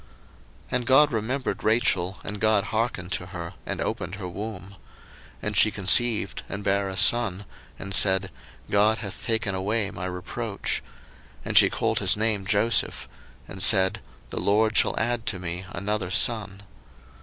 01:030:022 And God remembered Rachel, and God hearkened to her, and opened her womb. 01:030:023 And she conceived, and bare a son; and said, God hath taken away my reproach: 01:030:024 And she called his name Joseph; and said, The LORD shall add to me another son.